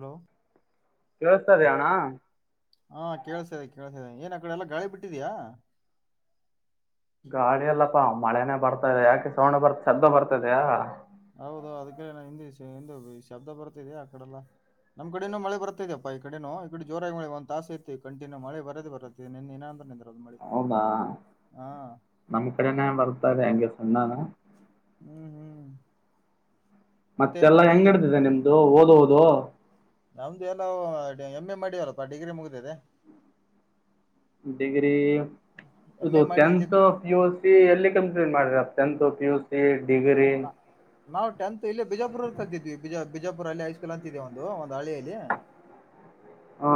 Hello. ಕೇಳಸ್ತಾಯಿದಿಯ ಅಣ್ಣ. ಹಾ ಕೇಳಸದೆ ಕೇಳತದ್ದೇ ಏನ್ ಆಕಡೆ ಎಲ್ಲ ಗಾಳಿ ಬಿಟ್ಟಿದಿಯಾ. ಗಾಳಿಯ ಎಲ್ಲಪ್ಪಾ ಮಳೆನೇ ಬರ್ತಾದೆ ಯಾಕೆಸೌಂಡ್ ಬರ್ ಸದ್ದು ಬರ್ತ ಇದೆಯಾ? ಹೌದು ಅದಕೆ ಹಿಂದೂ [unintelligible] ಶಬ್ದ ಬರ್ತಿದ ಆ ಕಡೆ ಎಲ್ಲಾ ನಮ್ಮ್ ಕಡೆನೂ ಮಳೆ ಬರ್ತೈದೆಪ್ಪ ಈ ಕಡೆನು ಈ ಕಡೆ ಜೋರಾಗಿ ಮಳೆ ಒಂದ ತಾಸ ಐತಿ ಕಟಿನ್ಯ ಮಳ ಬರದ ಬತ್ತೈ ನಿನ್ [unintelligible] ಅಂದ್ರ ಹೌದಾ ನಮ್ ಕಡೆನೆ ಬರ್ತಾದೆ ಹಂಗೆ ಸಣ್ಣಾನೆ ಹ್ಮ್ ಹ್ಮ್ ಮತ್ತೆ ಮತ್ತೆಲ್ಲಾ ಹೆಂಗ ಎಲ್ಲಿ ನೆಡಿದಿದೆ ನಿಮ್ದು ಓದೋದು. ನಮ್ದು ಏನೋ ಎಮ್ ಎ ಮಾಡ್ಯವಾರಪ್ಪ ಡಿಗ್ರಿ ಮುಗಿದಿದೆ. ಡಿಗ್ರಿ ಎಮ್ ಇದು ಎ ಮಾಡಿ ಇಲ್ಲಿ tenth B- P U C ಎಲ್ಲಿ ಕಂಪ್ಲೀಟ್ ಮಾಡಿದ್ರ tenth P U C degree. ನಾ ನಾವು ಟೆಂತ್ ಇಲ್ಲಿ ಬಿಜಾಪುರ ಕಾಳ್ತಿದ್ವಿ ಬಿಜಾ ಬಿಜಾಪುರ ಅಲ್ಲಿ ಹೈಸ್ಕೂಲ್ ಅಂತಿದೆ ಒಂದು ಒಂದು ಹಳ್ಳಿಯಲ್ಲಿ ಹಾ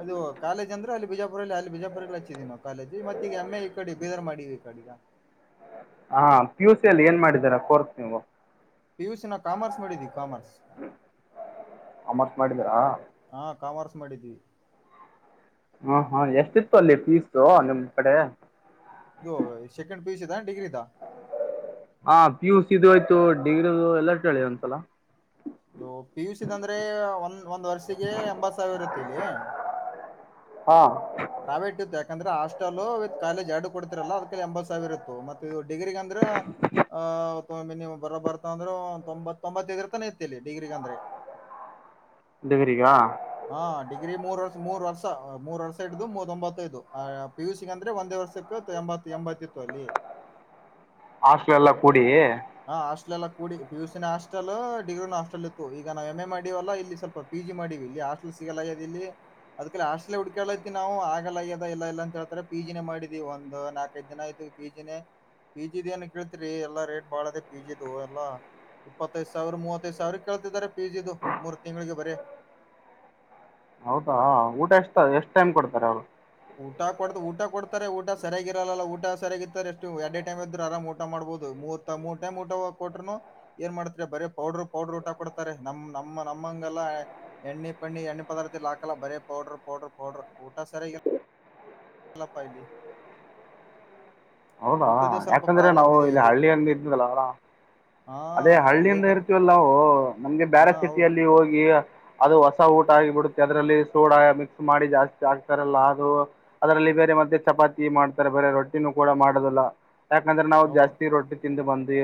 ಅದು ಕಾಲೇಜ್ ಅಂದ್ರ ಅಲ್ಲಿ ಬಿಜಾಪುರಲ್ಲಿ ಅಲ್ಲಿ ಬಿಜಾಪುರಲ್ಲಿ ಹಚ್ಚಿದೀವಿ ನಾವು ಕಾಲೇಜ್ ಮತ್ತ ಈಗ ಎಂ ಎ ಈ ಕಡೆ ಬೀದರ್ ಮಾಡೀವಿ ಈ ಕಡೆಗ ಹಾ ಪಿ ಯು ಸಿ ಅಲ್ಲಿ ಏನ್ ಮಾಡಿದಾರ ಕೋರ್ಸ್ ನೀವು? ಪಿ ಯು ಸಿ ನ ಕಾಮರ್ಸ್ ಮಾಡಿದೀವಿ ಕಾಮರ್ಸ್. ಕಾಮರ್ಸ್ ಮಾಡಿದ್ದೀರಾ. ಹಾ ಕಾಮರ್ಸ್ ಮಾಡಿದ್ವಿ. ಹ್ಮ್ ಹ್ಮ ಎಷ್ಟಿತ್ತು ಅಲ್ಲಿ ಫೀಸು ನಿಮ್ ಕಡೆ? ಇದು ಸೆಕೆಂಡ್ ಪಿ ಯು ಸಿ ದಾ ಡಿಗ್ರಿದಾ? ಹಾ ಪಿ ಯು ಸಿ ದು ಆಯ್ತು ಡಿಗ್ರಿದು ಎಲ್ಲಾ ಕೇಳಿ ಅಂತಲ್ಲ. ಪಿ ಯು ಸಿ ದ ಅಂದ್ರೆ ಒಂದ್ ಒಂದ್ ವರ್ಷಿಗೆ ಎಂಬತ್ ಸಾವಿರ ಇರುತ್ತೆ ಇಲ್ಲಿ. ಹಾ ಪ್ರೈವೇಟ್ ಇತ್ತು ಯಾಕಂದ್ರೆ ಹಾಸ್ಟೆಲ್ ವಿತ್ ಕಾಲೇಜ್ ಎರಡು ಕೊಡ್ತಿರಲ್ಲ ಅದಕಲ್ಲಿ ಎಂಬತ್ ಸಾವಿರ ಇತ್ತು ಮತ್ತು ಡಿಗ್ರಿ ಅಂದ್ರ ಆ ಮಿನಿ ಬರ ಬರ್ತಂದ್ರೆ ತೊಂಬತ್ ತೊಂಬತ್ತೈದಿರ್ತಾನ ಇರ್ತ್ತತಿ ಡಿಗ್ರಿಗಂದ್ರೆ. ಡಿಗ್ರಿ ಗಾ? ಹಾ ಡಿಗ್ರಿ ಮೂರ್ ವರ್ಷ ಮೂರ್ ವರ್ಷ ಮೂರ್ ವರ್ಷ. ಮೂವತ್ೊಂಬತ್ತೈದು ಪಿ ಯು ಸಿ ಅಂದ್ರೆ ಒಂದೇ ವರ್ಷಕ್ಕೆ ಎಂಬ ಎಂಬತ್ತಿತ್ತು ಅಲ್ಲಿ. [unintelligible] ಹಾಸ್ಟಲ್ ಎಲ್ಲ ಕೂಡಿ ಹಾ ಹಾಸ್ಟೇಲ್ ಎಲ್ಲಾ ಕೂಡಿ ಪಿ ಯು ಸಿನ ಹಾಸ್ಟೆಲ್ ಡಿಗ್ರಿ ನ ಹಾಸ್ಟೆಲ್ ಇತ್ತು ಈಗ ನಾವು ಎಂ ಎ ಮಾಡಿವಲ್ಲ ಇಲ್ಲಿ ಸ್ವಲ್ಪ ಪಿ ಜಿ ಮಾಡಿವಿ ಇಲ್ಲಿ ಹಾಸ್ಟೆಲ್ ಸಿಗಲ್ಲ ಇಲ್ಲಿ ಅದಕ ಹಾಸ್ಟಲ್ ಹ ಕೇಳತಿ ನಾವು ಆಗಲ್ಲ ಆಗ್ಯದ ಇಲ್ಲ ಇಲ್ಲ ಅಂತೇಳ್ತಾರೆ ಪಿ ಜಿ ನೆ ಮಾಡಿದೀವಿ ಒಂದು ನಾಲ್ಕೈಐದು ದಿನ ಆಯ್ತ್ತಿ ಪಿ ಜಿನೆ ಪಿ ಜಿ ದು ಏನ್ ಕೇಳ್ತಿರಿ ಎಲ್ಲಾ ರೇಟ್ ಬಾಳ ಅದ ಪಿ ಜಿದು ಎಲ್ಲಾ ಇಪ್ಪತ್ತೈದ ಸಾವಿರ ಮೂವತ್ತೈದ್ ಸಾವಿರ ಕೇಳ್ತಿದ್ದಾರೆ ಪಿ ಜಿ ದು ಮೂರ್ ತಿಂಗಳಿಗೆ ಬರೀ ಹೌದಾ ಊಟ ಎಷ್ಟು ಎಷ್ಟು ಟೈಮ್ ಕೊಡ್ತಾರೆ ಅವ್ರು? ಊಟ ಕೊಡ್ದ ಊಟ ಕೊಡ್ತಾರೆ ಊಟ ಸರಿಯಾಗಿರಲ್ಲ ಅಲ್ಲ ಊಟ ಸರಿಯಾಗಿದ್ರೆ ಎಷ್ಟು ಎರಡೇ ಟೈಮ್ ಇದ್ರುನ್ ಆರಾಮ್ ಊಟ ಮಾಡ್ಬಹದು ಮೂರ್ ಮೂರು ಟೈಮ್ ಊಟವ ಕೊಟ್ರೂನು ಏನ್ ಮಾಡ್ತರಿ ಬರೀ ಪೌಡರು ಪೌಡ್ರ ಊಟ ಕೊಡ್ತಾರೆ ನಮ್ ನಮ್ಮ ನಮ್ಮಂಗಲ್ಲ ಎಣ್ಣೆ ಪಣ್ಣ ಎಣ್ಣೆಪದಾರ್ಥದಲ್ಲಿ ಹಾಕಲ್ಲ ಬರೇ ಪೌಡರ್ ಪೌಡರ್ ಪೌಡರ್ ಊಟ ಸರಿಯಾಗಿಲ್ಲ. ಪಲಿ [unintelligible] ಹೌದಾ ಊಟದ್ದೇ ಸ್ವಲ್ಪ ಯಾಕಂದ್ರೆ ಪ್ರಾಬ್ಲಮ್ ನಾವು ಇದೆ ಇಲ್ಲಿ ಹಳ್ಳಿಯಂಗಿ ಇದ್ದದಲ್ಲ ಅವರ ಹಾ ಅದೇ ಅಲ್ಲಿ ಹಳ್ಳಿಯಿಂದ ಇರ್ತೀವಲ್ಲ ನಾವು ನಮ್ಗೆ ಹಾ ಬ್ಯಾರ ಹೌದು ಸಿಟಿಯಲ್ಲಿ ಹೋಗಿ ಅದು ಹೊಸ ಊಟ ಆಗಿ ಬಿಡುತ್ತೆ ಅದರಲ್ಲಿ ಸೋಡಾ ಮಿಕ್ಸ್ ಮಾಡಿ ಜಾಸ್ತಿ ಆಗ್ತಾರಲ್ಲ ಅದು. ಅದರಲ್ಲಿ ಬೇರೆ ಮಧ್ಯೆ ಚಪಾತಿ ಮಾಡ್ತಾರೆ ಬೇರೆ ರೊಟ್ಟಿನೂ ಕೂಡ ಮಾಡದಿಲ್ಲ ಯಾಕಂದ್ರೆ ನಾವು ಹೌದು ಜಾಸ್ತಿ ರೊಟ್ಟಿ ತಿಂದ ಬಂದಿ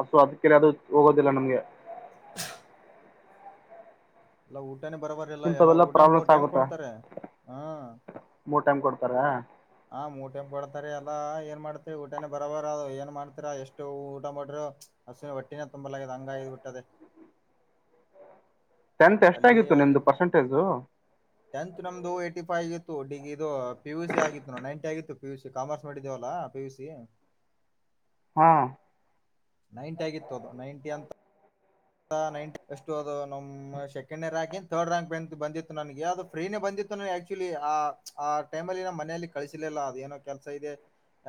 ಅಸೊ ಅದಕ್ಕೆರೆ ಅದು ಹೋಗೋದಿಲ್ಲ ನಮ್ಗೆ ಎಲ್ಲ ಊಟನೇ ಬರಬರಿಲ್ಲ ಎಲ್ಲಾ ಇಂಥವೆಲ್ಲ ಊಟ ಮೂರ್ ಪ್ರಾಬ್ಲಮ್ಸ್ ಟೈಮ್ ಆಗುತ್ತಾ ಕೊಡ್ತಾರೆ ಹ್ಮ. ಮೂರ್ ಟೈಮ್ ಕೊಡ್ತಾರಾ. ಆ ಮೂರ್ ಟೈಮ್ ಕೊಡ್ತಾರೆ ಏಲ್ಲಾ ಏನ್ ಮಾಡ್ತಿವಿ ಊಟನೇ ಬರಬರ ಅದ ಏನ್ ಮಾಡ್ತತಿರ ಎಷ್ಟು ಊಟ ಮಾಡ್ರರು. ಹಸು ಹೊಟ್ಟಿನೆ ತುಂಬಲಾಗ್ಯದ ಹಂಗ ಆಗಿ ಬಿಟ್ಟದೆ. ಟೆಂತ್ ಅಲ್ಲಿ ಎಷ್ಟಾಗಿತ್ತು ಅಲ್ಲಿ ನಿಂದು ಪರ್ಸೆಂಟೇಜು ಟೆಂತ್ ನಮ್ದು ಎಟಿಫೈ ಆಗಿತ್ತು ಡಿಗ್ ಇದು ಪಿ ಯು ಸಿ ಆಗಿತ್ತು ನೋಡ್ ನೈಂಟಿ ಆಗಿತ್ತು. ಪಿ ಯು ಸಿ ಕಾಮರ್ಸ್ ಮಾಡಿದ್ದೇವಲ್ಲಾ ಪಿ ಯು ಸಿ ಹಾ ನೈಂಟಿ ಆಗಿತ್ತು ಅದು ನೈಂಟಿ ಅಂತ ಅ ನೈಂಟಿ ಏಷ್ಟು ಅದು ನಮ್ ಸೆಕೆಂಡ್ನೇ ರಾಂಕ್ ಎನ್ ಥರ್ಡ್ ರಾಂಕ್ ಬಂದ್ ಬಂದಿತ್ತು ನನಗೆ ಅದು ಫ್ರೀನೇ ಬಂದಿತ್ತು ನ ಆಕ್ಚುಲಿ ಆ ಆ ಟೈಮ ಅಲ್ಲಿ ನ ಮನೆಯಲ್ಲಿ ಕಳಸಲಿಲ್ಲ ಅದ ಏನೋ ಕೆಲ್ಸ ಇದೆ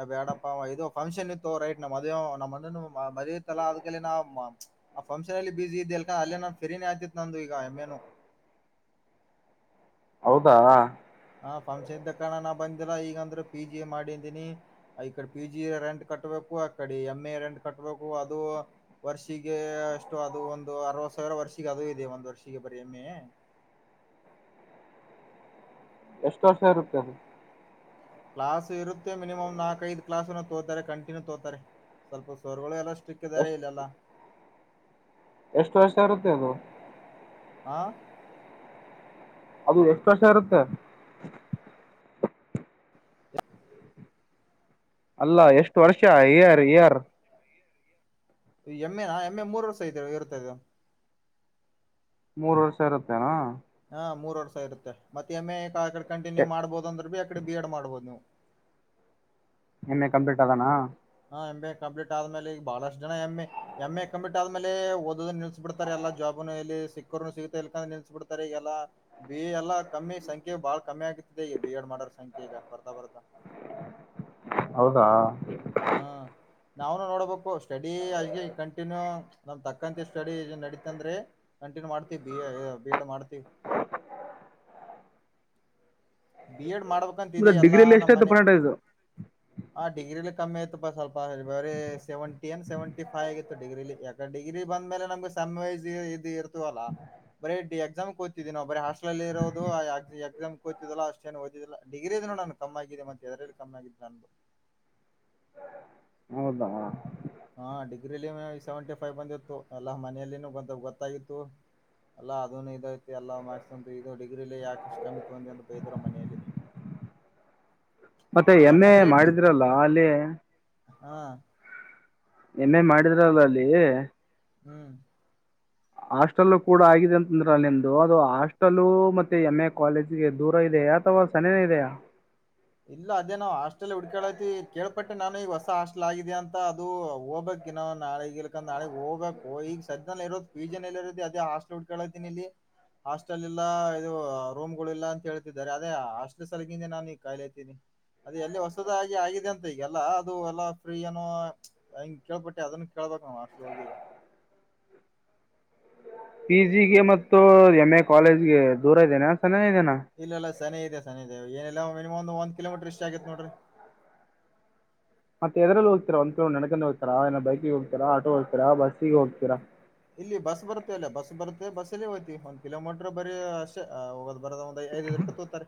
ಏ ಬ್ಯಾಡಪ್ಪಾ ಅಂವ್ ಇದು ಫಂಕ್ಷನ್ ಇತ್ತೊ ರೈಟ್ ನಮ್ಮ್ ಅದೇ ನಮ್ಮಣನ್ ಮ ಮದ್ವಿ ಇತ್ತಲಾ ಅದಕಲೆ ನಾ ಮ ಆ ಫಂಕ್ಷನ್ ಅಲ್ಲಿ ಬಸಿ ಇದ್ದ ಅಲ್ಕ ಅಲ್ಲೇ ನನ್ ಫೀರಿನೇ ಆತಿತ್ ನಂದು ಈಗ ಎಮ್ಮೆನು. ಹೌದಾ ಹ ಫಂಕ್ಷನ್ ಇದ್ದ ಕಾರಣ ನ ಬಂದಿಲ್ಲ ಈಗಂದ್ರ ಪಿ ಜಿ ಏ ಮಾಡಿದ್ದೀನಿ. ಅ ಈಕಡ ಪಿ ಜಿ ರೆಂಟ್ ಕಟ್ಬೇಕು ಆಕಡಿ ಎಮ್ ಎ ರೆಂಟ್ ಕಟ್ಬೇಕು ಅದು. ವರ್ಷಿಗೆ ಅಷ್ಟು ಅದು ಒಂದು ಅರವತ್ ಸಾವ್ರ ವರ್ಷಿಗೆ ಅದು ಇದೆ ಒಂದ್ ವರ್ಷಿಗೆ ಬರಿ ಎಮ್ಮೆ. ಎಷ್ಟ ವರ್ಷ ಇರುತ್ತೆ ಅದು. ಕ್ಲಾಸ್ ಇರುತ್ತೆ ಮಿನಿಮಮ್ ನಾಕ್ ಐದ್ ಕ್ಲಾಸ್ನ ತೋತಾರೆ ಕಂಟಿನ್ಯೂ ತೋತಾರೆ ಸ್ವಲ್ಪ ಸರ್ಗೋಳೆ ಎಲ್ಲಷ್ ಸಿಕ್ಕಿದ್ದಾರೆ ಇಲ್ಲೆಲ್ಲ. ಎಷ್ಟ ವರ್ಷ ಇರುತ್ತೆ ಅದು. ಹಾ ಅದು ಎಷ್ಟ ವರ್ಷ ಇರುತ್ತೆ. ಅಲ್ಲ ಎಷ್ಟು ವರ್ಷ ಇಯರ್ ಇಯರ್. ಎಮ್ಮೆನಾ ಎಮ್ ಏ ಮೂರ್ ವರ್ಷ ಇದದೆ ಇರ್ತದೆ. ಮೂರ ವರ್ಷ ಇರುತ್ತೇನಾ. ಹಾ ಮೂರ್ ವರ್ಷ ಇರುತ್ತೆ ಮತ್ತೆ ಏಮ್ ಎ ಆಕಡ ಕಂಟಿನ್ಯೂ ಮಾಡ್ಬೋದು ಅಂದ್ರ ಬಿ ಅಕಡ ಬಿ ಎಡ್ ಮಾಡ್ಬೋದು ನೀವು. ಎಮ್ ಎ ಕಂಪ್ಲೀಟ್ ಆಗನಾ. ಹಾ ಎಂ ಬಿ ಎ ಕಂಪ್ಲೀಟ್ ಆದ್ಮೇಲೆ ಈಗ್ ಬಾಳಷ್ಟ ಜನ M A. M A complete ಆದ್ಮೇಲೆ ಓದೋದ್ ನಿಲ್ಸ್ ಬಿಡ್ತರೆ ಎಲ್ಲಾ ಜಾಬ್ನು ಏಲ್ಲಿ ಸಿಕ್ಕೋರ್ನು ಸಿಗತ ಇಲ್ಕಂದ್ರ ನಿಲ್ಸಸ್ ಬಿಡ್ತಾರೆ ಈ ಎಲ್ಲಾ. ಬಿ ಎ ಎಲ್ಲಾ ಕಮ್ಮಿ ಸಂಖ್ಯೆ ಬಾಳ ಕಮ್ಮಿ ಆಗತ್ತೆ ಈಗ ಬಿ ಎಡ್ ಮಾಡೋರ್ ಸಂಖ್ಯೆ ಈಗ ಬರ್ತಾ ಬರ್ತಾ. ಹೌದಾ ಹಾ ನಾವ್ನು ನೋಡಬೇಕು ಸ್ಟಡಿ ಆಗೆ ಕಂಟಿನ್ಯೂ ನಮ್ ತಕ್ಕಂತೆ ಸ್ಟಡಿ ನಡಿತಂದ್ರೆ. ಕಂಟಿನ್ಯ ಮಾಡ್ತಿವಿ ಬಿ ಎ ಏ ಬಿ ಎಡ್ ಮಾಡ್ತೀವಿ. ಬಿ ಎಡ್ ಮಾಡ್ಬೇಕಂತಿದೆ ಮತ್ತೆ ಎಲ್ಲಾ ಡಿಗ್ರಿಲಿ ಎಷ್ಟಾಯ್ತು ನಮ್ಮನೆ. ಪರ್ಸೆಂಟೇಜ್ ಹ ಡಿಗ್ರಿಲೆ ಕಮ್ಮಿ ಆಯಿತ್ಪಾ ಸ್ವಲ್ಪ ಬರೆ ಸೆವೆಂಟಿ ಏನ್ ಸೆವೆಂಟಿ ಫೈ ಆಗಿತ್ತು ಡಿಗ್ರಿಲಿ ಯಾಕ್ ಡಿಗ್ರಿ ಬಂದ ಮೇಲೆ ನಮ್ಗ ಸನ್ [unintelligible] ಇದ್ದ ಇರತ್ ತಿವಲ್ಲ ಬರೆ ಡಿ ಎಕ್ಸಾಮ್ ಹೋತಿದೇವ ನಾವು ಬರೆ ಹಾಸ್ಟಲ್ ಅಲ್ಲಿ ಇರೋದು ಆ ಎಕ್ಸಾಮ್ [unintelligible] ಅಷ್ಟೇನ ಓದಿದಿಲ್ಲ ಡಿಗ್ರಿದ್ ನೋಡ್ ನನ್ ಕಮ್ಮ ಆಗಿದೆ ಮತ್ತ ಎದ್ರಲ್ಲಿ ಕಮ್ಮಿ ಆಗಿದ್ದ ನಂದ ಹೌದಾ ಹಾ ಡಿಗ್ರಿಲೆ ಸೆವೆಂಟಿ ಫೈವ್ ಬಂದಿತ್ತು ಎಲ್ಲ ಮನೆಯಲ್ಲಿನು ಗೊತ್ ಗೊತ್ತಾಗಿತ್ತು. ಅಲ್ಲ ಅದುನು ಇದು ಐತು ಎಲ್ಲಾ ಮಾರ್ಕ್ಸ್ ಅಂತು ಇದು ಡಿಗ್ರಿಲಿ ಯಾಕಿಷ್ಟು ಕಮ್ಮಿ ತೊಂಡಿ ಅಂತ ಬೈದ್ರು ಮನೇಲಿ. ಮತ್ತೆ ಏಮ್ ಎ ಯಾಕಂದ್ರೆ ಡಿ ಮಾಡಿದ್ರಲ್ಲ ಅಲ್ಲಿ ಹಾ ನೆನ್ನೆ ಮಾಡಿದ್ರಲ್ಲ ಅಲ್ಲಿ. ಹ್ಮ್ ಹಾಸ್ಟೆಲ್ ಕೂಡ ಆಗಿದೆ ಅಂತಂದ್ರೆಲ್ಲಿ ನಿಮ್ದು ಅದು ಹಾಸ್ಟೆಲ್ಲ ಮತ್ತೆ ಎಮ್ ಎ ಕಾಲೇಜ್ಗೆ ದೂರ ಇದಿಯಾ.. ಅಥವಾ ಚೆನ್ನಾಗಿಯಿದಿಯ. ಇಲ್ಲ ಅದೇ ನಾವು ಹಾಸ್ಟೆಲ್ ಹುಡ್ಕಳೈತಿವಿ ಕೇಳಳ್ಪಟ್ಟೆ ನಾನು ಈಗ ಹೊಸ ಹಾಸ್ಟೆಲ್ ಆಗಿದೆ ಅಂತ ಅದು ಹೋಗಬೇಕ್. ನಾಳೆಗ ಇಲ್ಕ ನಾಳಗ್ ಹೋಗ್ಬೇಕು ಈಗ ಸದ್ಯ ಇರೋದ ಪೀಜಲ್ಲಿ ಇರೋತಿ ಅದೇ ಹಾಸ್ಟೆಲ್ ಉಳ್ಕೊಂಡಿದೀಯ ಇಲ್ಲಿ. ಹಾಸ್ಟೆಲ್ ಇಲ್ಲ ಇದು ರೂಮ್ಗಳು ಇಲ್ಲ ಅಂತ ಹೇಳ್ತಿದ್ದಾರೆ ಅದೇ ಆ ಹಾಸ್ಟೆಲ್ ಸಲಗಿಂದೆ ನಾನು. ಕಾಯಿಲೆತೀನಿ ಅದು ಎಲ್ಲಿ ಹೊಸದಾಗಿ ಆಗಿದೆ ಅಂತ ಈಗೆಲ್ಲಾ ಅದು ಎಲ್ಲಾ ಫ್ರೀ ಏನೋ. ಹಂಗೆ ಕೇಳ್ಪಟ್ಟೆ ಅದನ್ನು ಕೇಳ್ಬೇಕ್ ನಾವ್ ಹಾಸ್ಟೆಲ್ಗೆ ಹೋಗಿ. ಪಿ ಜಿ ಗೆ ಮತ್ತು ಎಮ್ ಎ ಕಾಲೇಜ್ಗೆ ದೂರ ಇದೇನ ಹತ್ತಿರಾನೆ ಇದೇನಾ. ಇಲ್ಲ ಇಲ್ಲ ಸನಿಹ ಇದೆ ಏನೆಲ್ಲ ಮಿನಿಮ್ ಒಂದ್ ಕಿಲೋಮಟರ್ ಇಷ್ಟ ಆಗತ್ತು ನೋಡ್ರಿ. ಮತ್ತೆ ಎದ್ರಲ್ಲಿ ಹೋಗತೀರ ನೆಡ್ಕೊಂಡೆ ಹೋಗ್ತಾರಾ ಬೈಕಿಗೆ ಹೋಗತರಾ ಆಟೋ ಹೋಗ್ತೀರಾ ಇಲ್ಲ ಬಸ್ಸಿಗೆ ಹೋಗ್ತೀರಾ ಇಲ್ಲಿ ಬಸ್ ಬರುತ್ತೆ ಅಲ್ಲ ಬಸ್ ಬರುತ್ತೆ ಬಸ್ ಅಲ್ಲೇ ಹೋಗ್ತಿವಿ ಒಂದ ಕಿಲೋಮೀಟರ್ ಬರೀ ಅಷ್ಟ. ಹೋಗದ್ ಬರೋದ ಒಂದ್ ಐದೈದು ರೂಪಾಯಿ ತಕೊಂತಾರೆ.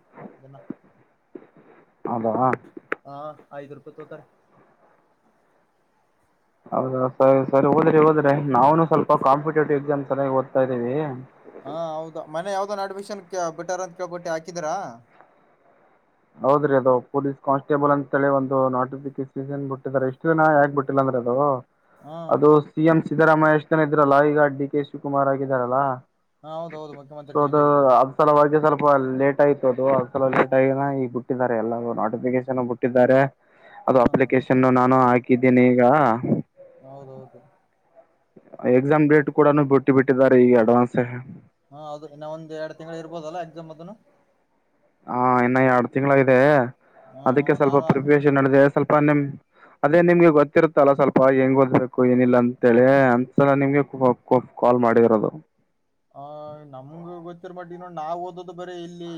ಹೌದ. ಹಾ ಐದು ರೂಪಾಯಿ ತಕೊತಾರೆ. ಹೌದಾ ಸರಿ ಸರಿ ಓದ್ರಿ ಓದ್ರಿ ನಾವುನು ಸ್ವಲ್ಪ ಕಾಂಪಿಟೇಟಿವ್ ಎಕ್ಸಾಮ್ ಕಡೆ ಓದ್ತಾ ಇದ್ದೀವಿ. ಹಾ ಹೌದಾ ಮನೆ ಯಾವ್ದ ಒಂದು ಅಡ್ಮಿಷನ್ ಬಿಟ್ಟಾರ ಅಂತ ಕೇಳಿ ಪಟ್ಟೆ ಹಾಕಿದಿರ. ಹೌದ್ರಿ ಅದು ಪೊಲೀಸ್ ಕಾನ್ಸ್ಟೇಬಲ್ ಅಂತ ಹೇಳಿ ಒಂದು ನೋಟಿಫಿಕೇಶನ್ನ್ ಬಿಟ್ಟಿದಿದ್ದಾರೆ ಎಷ್ಟು ದಿನ ಯಾಕ್ ಬಿಟ್ಟಿಲ್ಲ ಅಂದ್ರೀ ಅದು. ಹಾ ಅದು ಸಿ ಎಂ ಸಿದ್ದರಾಮಯ್ಯ ಇಷ್ಟು ದಿನ ಇದ್ರಲ್ಲ ಈಗ ಡಿ ಕೆ ಶಿವಕುಮಾರ್ ಆಗಿದ್ದಾರಲ್ಲಾ. ಹಾ ಹೌದೌದು ಮುಖ್ಯಮಂತ್ರಿ ಚೇಂಜ್ ಆಗಿದ್ದಾರೆ. ಸಲುವಗೆ ಸ್ವಲ್ಪ ಲೇಟ್ ಆಯ್ತ ಅದು ಸಲ ಲೇಟ್ ಆಗಿನ ಈ. ಬಿಟ್ಟಲ್ಲ ನೋಟಿಫಿಕನ್ ಬಿಟ್ಟಿದ್ದಾರೆ ಹಾ ಅದು ಅಪ್ಲಿಕನ್ ನಾನು ಹಾಕಿ. ಹಾಕ್ಕಿದಿನಿ ಈಗ ಹೌದೌದು. ಎಕ್ಸಾಮ್ ಡೇಟ್ ಕೂಡ ಬಿಟ್ಟಿ ಬಿಟ್ಟಿದ್ದಾರೆ ಈಗ ಅಡ್ವಾನ್ಸ್. ಹಾ ಹೌದು ಇನ್ನ ಒಂದ ಎಡ್ ತಿಂಗಳು ಇರ್ಬೋದಲ್ಲಾ ಎಕ್ಸಾಮ್ ಅದ್ದನು. ಹಾ ಇನ್ನು ಎರಡು ತಿಂಗಳಾಗಿದೆ ಹ್ಮ್ ಅದಕ್ಕೆ ಹ್ಮ್ ಸ್ವಲ್ಪ ನಾನು ಪ್ರಿಪೇಷನ್ ನೆಡೆದಿದ್ದೆ ಸ್ವಲ್ಪ ನಿಮ್. ಅದೇ ನಿಮ್ಗೆ ಗೊತ್ತಿರುತ್ತಲ್ಲ ಸ್ವಲ್ಪ ಹೆಂಗ್ ಓದ್ಬೇಕು ಏನಿಲ್ಲ ಅಂತೇಳಿ ಅಂತಸಲ ನಿಮ್ಗೆ. ಕಾಲ್ ಮಾಡಿರೋದು. ಆ ನಮ್ಗ ಗೊತ್ತಿರೊ ಮಟ್ಟಿಗೆ ಈಗ ನಾವ್ ಓದು ಬರೀ ಇಲ್ಲಿ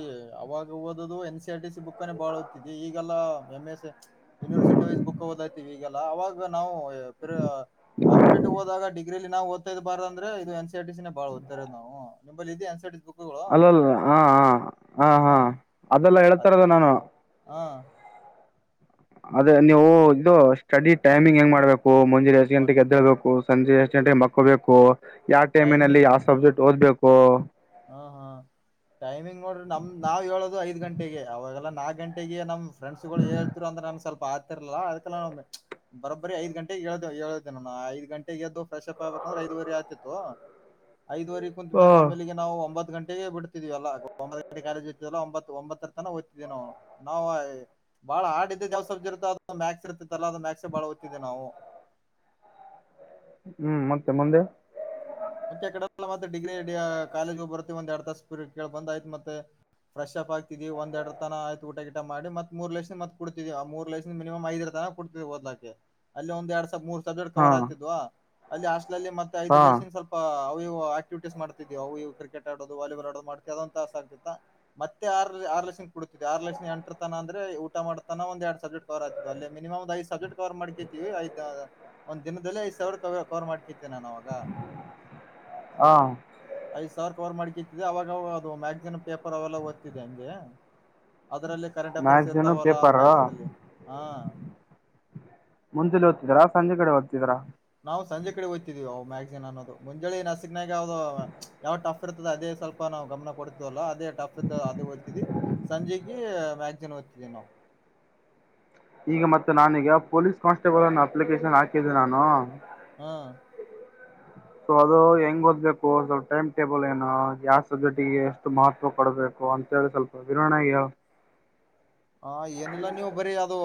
ಅವಾಗ ಓದದು N C R T C book. ಬುಕ್ನ ಬಾಳಓತಿದ್ವಿ ಈಗಲ್ಲಾ M S A university wise book ಓದ. ಈಗಲ್ಲ ಅವಾಗ ನಾವು. ಕಂಪಿಟಿವ್ ಹೋದಾಗ ಡಿಗ್ರೀ ನಾವು ಓದ್ತ್ ಬಾರ ಅಂದ್ರೆ ಇದು N C R T C ನೇ ಬಾಳ. ನಾವು ಬರೀ ಇದೆ N C R T C book. ಅಲ್ಲಲ್ಲ ಹ ಹ ಹಾ ಹಾ ಹ್ಮ್ ಅದೆಲ್ಲ ಅ- ಹೇಳ್ತಾಯಿರೋದು ನಾನು. ಹಾ ಅದೇ ನೀವು ಇದು ಸ್ಟಡಿ ಟೈಮಿಂಗ್ ಹೆಂಗ ಮಾಡ್ಬೇಕು ಮುಂಜಿನ ಐದು ಗಂಟೆಗೆ ಎದ್ದಳ್ಬೇಕು. ಸಂಜೆ ಎಷ್ಟು ಗಂಟೆಗೆ ಮಕ್ಕೋಬೇಕು ಯಾವ ಟೈಮಿನಲ್ಲಿ ಟೈಮಿಂಗ್ ಯಾವ ಸಬ್ಜೆಕ್ಟ್ ಓದ್ಬೇಕು. ಹಾ ಹಾ ಟೈಮಿಂಗ್ ನೋಡ್ರಿ ನಮ್ ನಾವ ಎಳೋದು ಐದು ಗಂಟೆಗೆ ಅವಗೆಲ್ಲ ನಾಲ್ಕ ಗಂಟೆಗೆ ನಮ್. ಫ್ರೆಂಡ್ಸ್ಗಳು ಹೇಳ್ತಿರು ಅವಾಗ ನನಗೆ ಸ್ವಲ್ಪ ಆತಿರ್ಲ್ಲ ಅದಕ್ಕೆ ನಾ. ಬರೋಬರಿ ಐದ್ ಗಂಟೆಗೆ ಎಳತೇನ ಹೇಳ್ದೇ ನಾ ಐದ ಗಂಟೆಗೆ ಎದು ಫ್ರೆಶ್ಪ್ ಆಗ್ಬೇಕಂದ್ರೆ ಐದುವರಿ ಆತಿತ್ತು. ಐದುವರೆ ಕುಂತ್ ಮೇಲೆ ಆಮೇಲಿಗೆ. ನಾವು ಒಂಬತ್ತು ಗಂಟೆಗೆ ಬಿಡ್ತಿದೀವೆಲ್ಲಾ ಒಂಬತ್ ಗಂಟೆ ಕಾಲೇಜ ಇತಲ್ಲ ಒಂಬತ್ತ ಒಂಬತ್ತರ ತನ ಹೋದ್ತಿದ್ದವಿ ನಾವು ನಾವು ಬಾಳ ಹಾಡ್ ಇದಿದ್ದೆ ಯಾವ ಸಬ್ಜ ಇರುತ್ತ ಅದ ಮ್ಯಾಕ್ಸ್ ಇರ್ತತ್ತಲ್ಲಾ ಅದು ಮ್ಯಾಕ್ಸ ಬಾಳ ಓದ್ತಿದೀವಿ ನಾವು ಹ್ಮ್ ಮತ್ತೆ ಮುಂದೆ ಮತ್ತೆ ಕಡೆಲ್ಲ ಮತ್ತೆ ಡಿಗ್ರಿ ಕಾಲೇಜು ಬರ್ತತಿವಿ ಒಂದ ಎರಡ್ ತಾಸ ಕ ಬಂದ್ ಆ್ತತ್ ಮತ್ತೆ ಫ್ರೆಪ್ ಆಗ್ತೀ ಒಂದ ಎರಡು ತನ ಆಯ್ತ ಊಟ ಗಿಟ ಮಾಡಿ ಮತ್ ಮೂರ್ ಲಕ್ಷದ ಮತ್ಡ್ತೀವಿ ಆ ಮೂರು ಲಕ್ಷದಿಂದಿನಿಮ್ ಐದರ ತನ ಕೂಡ್ತೀವಿ ಓದಲಾಕ್ಕೆ ಅಲ್ಲಿ ಒಂದ ಎರಡ್ ಸ ಮೂರ್ [unintelligible] ಹಾ ಕವರ್ ಆಗ್ತಿತ್ತಿವ ಅಲ್ಲಿ ಹಾಸ್ಟೆಲ್ನಲ್ಲಿ ತ್ತಾರೆ ಐದ ಹಾ ಲೆನ್ ಸ್ವಲ್ಪ ಅವು ಇವು ಆಕ್ಟಿವಿಟೀಸ್ ಮಾಡ್ತಿದೀವು ಅವು ಕ್ರಿಕೆಟ್ ಆಡೋ ವಾಲಬಾಲ್ ಆಡದು ಮಾಡ್ತವಿ ಅದಂತ ತಾಸ ಆಗ್ತಿತಾ ಮತ್ತೆ ಆರು ಆರು ಲೇಸತನ ಕು ಕುಡ್ತಿದೆ ಆರು ಲೇಸತನ ಎಂಟರ ತನ ಅಂದ್ರೆ ಊಟ ಮಾಡತನ ಒಂದ್ ಎರಡ್ ಸಬ್ಜೆಕ್ಟ್ [unintelligible] ಮಿನಿಮ ಒಂದು ಐದು ಸಬ್ಜೆಕ್ಟ್ ಕವರ್ ಮಾಡ್ತಿದೀನಿ ಐದ್ ಒಂದ್ ದಿನದಲ್ಲಿ ಐದ್ ಸಾವಿರ ಕವ ಕವರ್ ಮಾಡ್ಕತಿ ನಾನ್ ಅವಾಗ ಹ ಐದ್ ಸಾವಿರ ಕವರ್ ಮಾಡಿ ಕಿತ್ತಿದೆ ಅವಾಗವಾಗ ಅದು ಮ್ಯಾಗ್ಜಿನ್ ಪೇಪರ್ ಅವೆಲ್ಲ ಓದತಿದೆ ಹಂಗೆ ಅದರಲ್ಲಿ ಕರೆಂಟ್ ಅಫೇರ್ಸ್ ಮ್ಯಾಗ್ಝೀನು ಇರ್ತಾವಲ್ಲ ಪೇಪರು ಮ್ಯಾಗ್ಜಿನ್ ಅಲ್ಲಿ ಹ ಮುಂದೆಲಿ ಓ್ತದೀರಾ ಸಂಜೆ ಕಡೆ ಹೋಗ್ತಿದರಾ ನಾವು ಸಂಜೆ ಕಡೆ ಹೊಯ್ತಿದೀವಿ ಅವು ಮ್ಯಾಗ್ಜನ್ ಅನ್ನೋದು ಮುಂಜಳೆ ನಸಕ್ನಾಗದು ಯಾವ ಟಫ್ ಇರ್ತದೆ ಅದೇ ಸ್ವಲ್ಪ ನಾವು ಗಮನ ಕೊಡ್ತವಲ್ಲ ಅದೇ ಟಫ ಅದು ಓದ್ದತೀವಿ ಸಂಜೆ ಮ್ಯಾಗಸನ್ ಓದ್ತೀವಿ ನಾವು ಈಗ ಮತ್ತೆ ನಾನೀಗ ಪೊಲೀಸ್ ಕಾನ್ಸ್ಟೇಬಲ್ ನ್ನು ಅಪ್ಲಿಕೇಶನ್ ಹಾಕಿದ್ದಿ ನಾನು ಹಾ ಸೊ ಅದು ಹೆಂಗ್ ಓದ್ಬೇಕು ಸ್ವಲ್ಪ ಟೈಮ್ ಟೇಬಲ್ ಏನು ಯಾವ ಸಬ್ಜೆಕ್ಟಿಗೆ ಮಹತ್ವ ಕೊಡಬೇಕು ಅಂತೇಳಿ ಸ್ವಲ್ಪ ವಿವೋಣೆಗೆ ಹೇಳ ಹ ಏನಿಲ್ಲಾ ನೀವು ಬರೀ ಅದು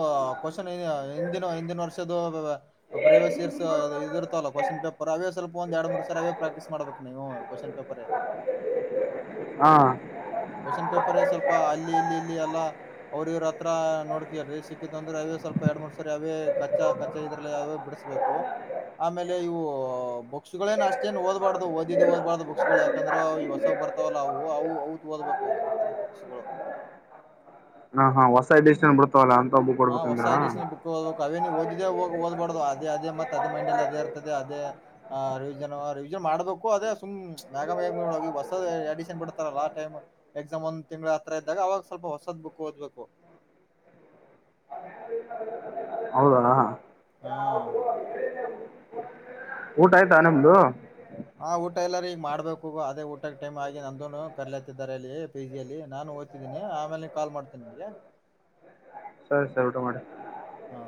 ಕೋಶನ್ ಹಿಂದಿನ ಹಿಂದಿನ ವರ್ಷದದು ಅಪ್ರೇವ ಸೀರ್ ಇರ್ತವಲ್ಲ ಕೋಶ್ನ್ ಪೇಪರ್ ಅವೇ ಸ್ವಲ್ಪ ಒಂದ್ ಎರಡು ಮೂರು ಸರೆ ಅವೇ ಪ್ರಾಕ್ಟೀಸ್ ಮಾಡ್ಬೇಕು ನೀವು ಕೋಶ್ನ್ ಪೇಪರ್ ಹಾ ಕೋಶ್ನ್ ಪೇಪರ್ ಸ್ವಲ್ಪ ಅಲ್ಲಿ ಇಲ್ಲಿ ಇಲ್ಲಿ ಎಲ್ಲಾ ಅವ್ರ ಇವ್ರ ಹತ್ರ ನೋಡ್ಕ್ರೀ ಸಿಕ್ಕತ್ಂದ್ರ ಅವೇ ಸ್ವಲ್ಪ ಎರಡ್ ಮೂರ್ ಸರಿ ಅವೇ ಕಚ್ಚಾ ಕ ಇದರಲ್ಲೆ ಯಾವ ಬಿಡಿಸಬೇಕು ಆಮೇಲೆ ಇವು ಬುಕ್ಸ್ ಗಳನ್ನು ಅಷ್ಟೇನ್ ಓದಬಾರದು ಓದಿ ಓದಬಾರ್ದ ಬುಕ್ಸ್ ಗಳೆ ಯಾಕಂದ್ರೆ ಈ ಹೊಸ ಬರ್ತಾವಲ್ಲ ಅವು ಅವು ಓದ್ಬೇಕು ಈಗ ಬಿಟ್ಟಿದ್ದು ಬುಕ್ಸ್ಗಳು ಹ ಹಾ ಹೊಸಡಿಷ್ಟನ್ ಬಿಡ್ತವಲ್ಲ ಅಂತ ಬುಕ್ ಹಾ ಹೊಸ ಕೊಡ್ಬೇಕಂದ್ರ ಅಡಿಷನ್ ಬುಕ್ ಕ ಅವೇ ನೀ ಓದಿದ್ದೇ ಹೋಗ ಓದ್ಬಾರ್ದು ಅದೇ ಅದೇತ್ತ ಅದೇ ಮೈಂಡ ಅಲ್ಲಿ ಅದೇ ಇರ್ತದೆ ಅದೇ ಆ ರಿವಿಜನ್ ರಿವಿಷನ್ ಮಾಡ್ಬೇಕು ಅದೇ ಸುಮ್ ಮ್ಯಾಗ ಮ್ಯಾಗ ಹೊಸ ಅಡಿಷನ್ ಬಿಡ್ತಾರ ಲಾಸ್ಟ್ ಟೈಮ್ ಎಕ್ಸಾಮ್ ಒಂದ ತಿಂಗಳ ಹತ್ರ ಇದ್ದಾಗ ಅವಾಗ ಸ್ವಲ್ಪ ಹೊಸದ್ ಬುಕ್ ಓದ್ಬೇಕು ಹ ಹೌದಣಾ ಹಾ ಊಟ ಆಯ್ತಾ ನಿಮ್ದು ಹ ಊಟ ಎಲ್ಲಾರ ಈಗ ಮಾಡ್ಬೇಕು ಅದೇ ಊಟಕ್ಕೆ ಟೈಮ್ ಆಗಿ ನಂದೂನು ಕರ್ಲತಿದ್ದಾರೆ ಅಲ್ಲಿ ಪಿಜಿಯಲ್ಲಿ ನಾನು ಆಮೇಲೆ ಕಾಲ್ ಮಾಡ್ತೇನೆ ನಿಮಗೆ ಸರಿ ಸರ್ ಊಟ ಮಾಡಿ ಹಾ